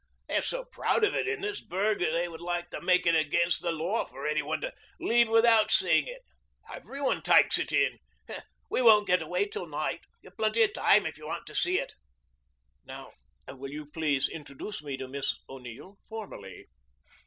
They're so proud of it in this burg that they would like to make it against the law for any one to leave without seeing it. Every one takes it in. We won't get away till night. You've plenty of time if you want to see it." "Now, will you please introduce me to Miss O'Neill formally?"